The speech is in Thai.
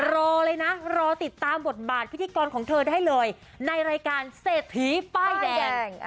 รอเลยนะรอติดตามบทบาทพิธีกรของเธอได้เลยในรายการเศรษฐีป้ายแดง